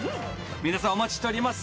皆さんお待ちしております。